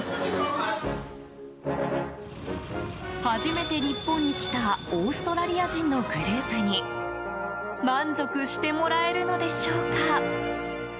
初めて日本に来たオーストラリア人のグループに満足してもらえるのでしょうか。